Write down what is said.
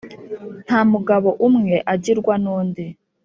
Nta mugabo umwe agirwa nu ndi.